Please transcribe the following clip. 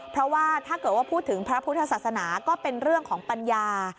เพราะว่าถ้าเกิดว่าพูดถึงพระพุทธศาสนาก็เป็นเรื่องของปัญญา